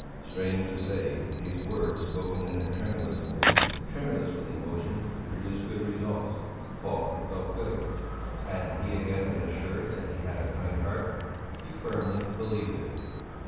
Strange to say, these words, spoken in a tremulous voice tremulous with emotion produced good results. Falk felt good. Hadn't he again been assured that he had a kind heart? He firmly believed it.